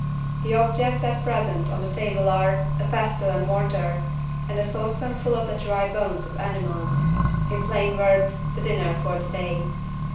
The objects at present on the table are, a pestle and mortar, and a saucepanful of the dry bones of animals in plain words, the dinner for the day.